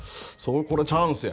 「これチャンスや」